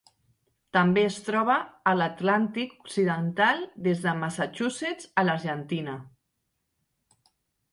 També es troba a l'Atlàntic Occidental des de Massachusetts a l'Argentina.